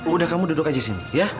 udah kamu duduk aja di sini ya